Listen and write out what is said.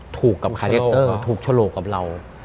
ถูกกับคาแรคเตอร์ถูกฉลกกับเรา